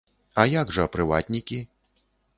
А як жа прыватнікі?